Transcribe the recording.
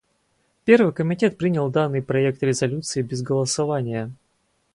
Первый комитет принял данный проект резолюции без голосования.